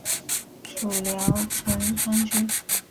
属聊城专区。